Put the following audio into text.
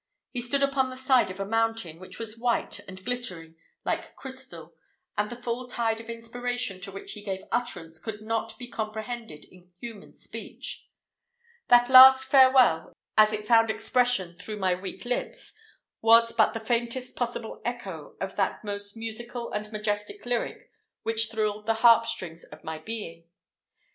He stood upon the side of a mountain, which was white and glittering like crystal, and the full tide of inspiration to which he gave utterance could not be comprehended in human speech. That last "Farewell," as it found expression through my weak lips, was but the faintest possible echo of that most musical and majestic lyric which thrilled the harp strings of my being.